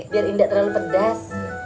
biar indah terlalu pedas